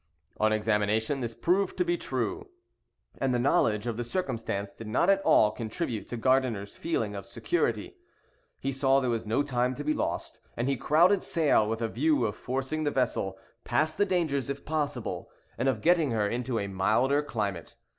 On examination this proved to be true, and the knowledge of the circumstance did not at all contribute to Gardiner's feeling of security. He saw there was no time to be lost, and he crowded sail with a view of forcing the vessel past the dangers if possible, and of getting her into a milder climate.